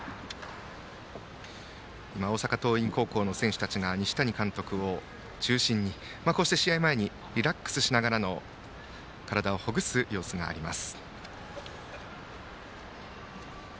大阪桐蔭高校の選手たちの西谷監督を中心に試合前にリラックスしながら体をほぐす様子もあります。